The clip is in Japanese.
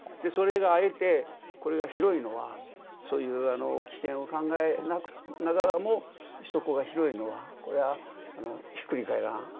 それがあえてこれが広いのはそういう危険を考えながらも底が広いのはこれはひっくり返らん